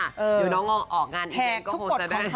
เดี๋ยวน้องออกงานเองก็คงจะได้